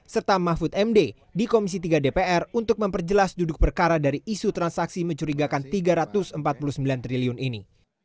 serta mahfud md di komisi tiga dpr untuk memperjelas duduk perkara dari isu transaksi mencurigakan rp tiga ratus empat puluh sembilan triliun ini